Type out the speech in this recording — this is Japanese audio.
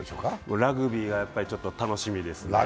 ラグビーが楽しみですね。